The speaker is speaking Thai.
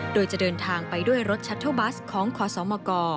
โดยจะเดินทางไปด้วยรถชัตเทิลบัสของขอสมก